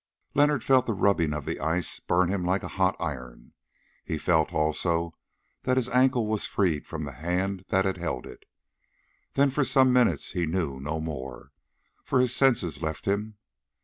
Leonard felt the rubbing of the ice burn him like hot iron. He felt also that his ankle was freed from the hand that had held it, then for some minutes he knew no more, for his senses left him.